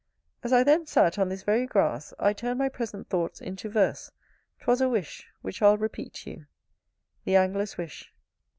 As I then sat on this very grass, I turned my present thoughts into verse: 'twas a Wish, which I'll repeat to you: The Angler's wish.